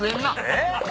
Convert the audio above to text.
えっ？